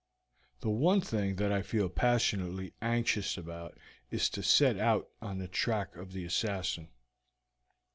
The one thing that I feel passionately anxious about is to set out on the track of the assassin."